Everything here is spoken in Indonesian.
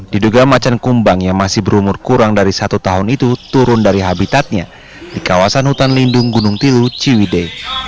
diduga macan kumbang yang masih berumur kurang dari satu tahun itu turun dari habitatnya di kawasan hutan lindung gunung tilu ciwide